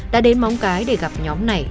đã đến móng cái để gặp nhóm này